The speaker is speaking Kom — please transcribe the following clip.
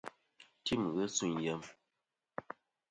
Tim ghi sûyn yem.